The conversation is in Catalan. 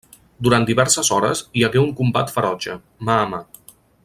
Durant diverses hores hi hagué un combat ferotge, mà a mà.